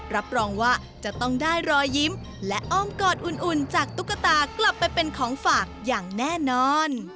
รับรองว่าจะต้องได้รอยยิ้มและอ้อมกอดอุ่นจากตุ๊กตากลับไปเป็นของฝากอย่างแน่นอน